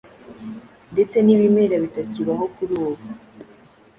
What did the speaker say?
ndetse n’ibimera bitakibaho kurubu